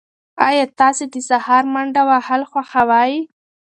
ایا تاسي د سهار منډه وهل خوښوئ؟